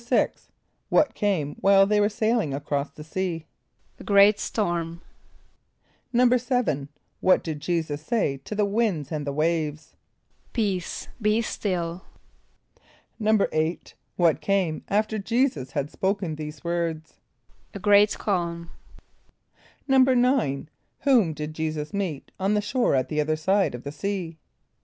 = What came while they were sailing across the sea? =A great storm.= =7.= What did J[=e]´[s+]us say to the winds and the waves? ="Peace, be still."= =8.= What came after J[=e]´[s+]us had spoken these words? =A great calm.= =9.= Whom did J[=e]´[s+]us meet on the shore at the other side of the sea?